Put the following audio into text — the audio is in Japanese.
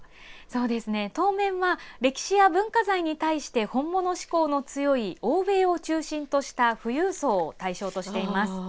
そうですね、当面は歴史や文化財に対して本物志向の強い欧米を中心とした富裕層を対象としています。